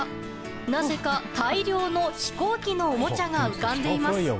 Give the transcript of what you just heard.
なぜか大量の飛行機のおもちゃが浮かんでいます。